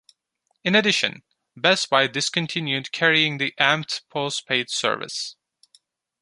In addition, Best Buy discontinued carrying the Amp'd post-paid service.